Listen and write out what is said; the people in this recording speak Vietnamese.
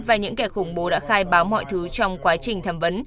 và những kẻ khủng bố đã khai báo mọi thứ trong quá trình tham vấn